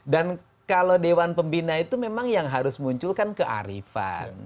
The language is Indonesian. dan kalau dewan pembina itu memang yang harus munculkan kearifan